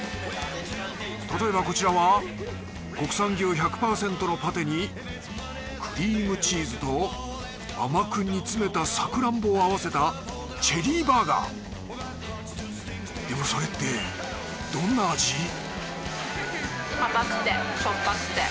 例えばこちらは国産牛１００％のパテにクリームチーズと甘く煮詰めたサクランボを合わせたでもそれってどんな味？